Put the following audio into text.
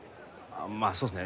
まあそうっすね